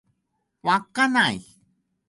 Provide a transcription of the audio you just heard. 稚内